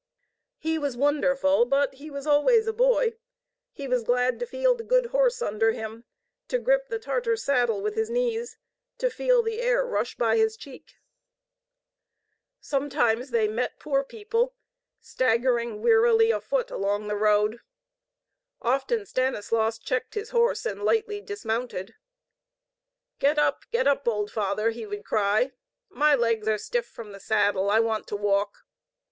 He was wonderful, but he was always a boy. He was glad to feel the good horse under him, to grip the Tartar saddle with his knees, to feel the air rush by his cheek. Sometimes they met poor people staggering wearily afoot along the road. Often Stanislaus checked his horse and lightly dismounted. "Get up, get up, old father!" he would cry. "My legs are stiff from the saddle. I want to walk."